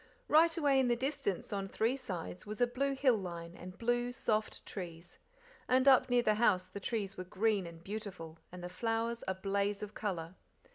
Right away in the distance on three sides was a blue hill line and blue soft trees. And up near the house the trees were green and beautiful, and the flowers a blaze of colour.